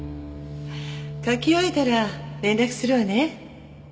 書き終えたら連絡するわね。